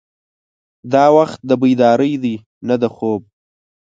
دا وخت د بیدارۍ دی نه د خوب.